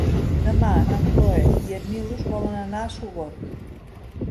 Demà na Cloè i en Milos volen anar a Sogorb.